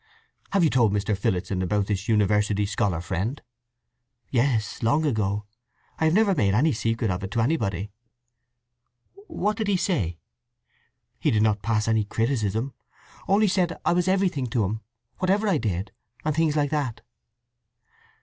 "Have you told Mr. Phillotson about this university scholar friend?" "Yes—long ago. I have never made any secret of it to anybody." "What did he say?" "He did not pass any criticism—only said I was everything to him, whatever I did; and things like that."